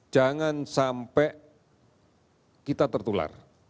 jangan sampai kita tertular